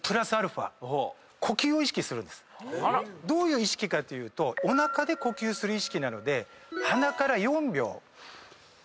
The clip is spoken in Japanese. どういう意識かっていうとおなかで呼吸する意識なので鼻から４秒。